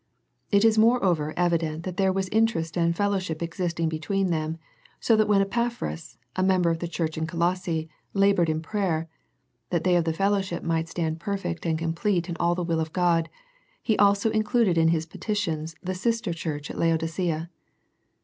It is more over evident that there was interest and fellow ship existing between them so that when Epa phras, a member of the church in Colosse la boured in prayer, that they of that fellowship might stand perfect and complete in all the will of God, he also included in his petitions the sister church at Laodicea.